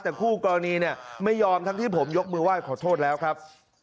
แต่คู่กรณีเนี่ยไม่ยอมทั้งที่ผมยกมือไหว้ขอโทษแล้วครับ